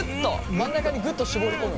真ん中にグッと絞り込む。